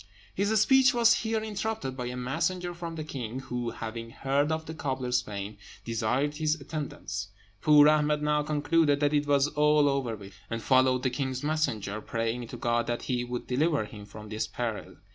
His speech was here interrupted by a messenger from the king, who, having heard of the cobbler's fame, desired his attendance. Poor Ahmed now concluded that it was all over with him, and followed the king's messenger, praying to God that he would deliver him from this peril.